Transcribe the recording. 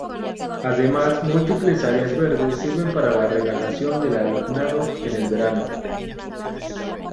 Además, múltiples áreas verdes sirven para la relajación del alumnado en el verano.